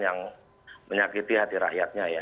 yang menyakiti hati rakyatnya ya